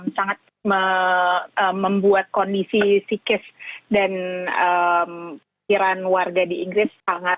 sangat membuat kondisi psikis dan kekiraan warga di inggris